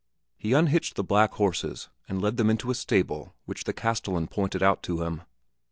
He unhitched the black horses and led them into a stable which the castellan pointed out to him.